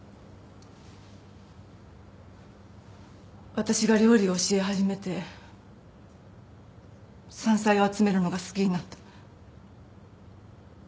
私が料理を教え始めて山菜を集めるのが好きになった。